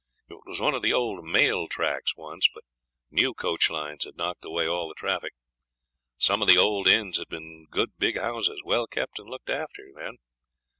It was one of the old mail tracks once, but new coach lines had knocked away all the traffic. Some of the old inns had been good big houses, well kept and looked after then.